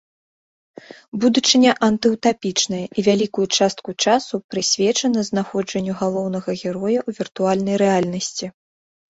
Будучыня антыўтапічная і вялікую частку часу прысвечана знаходжанню галоўнага героя ў віртуальнай рэальнасці.